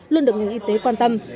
luôn được ngành y tế quan tâm